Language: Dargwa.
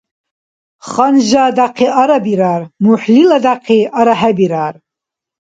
Ханжа дяхъи арабирар, мухӀлила дяхъи арахӀебирар.